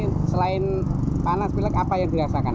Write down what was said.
ini selain panas pilek apa yang dirasakan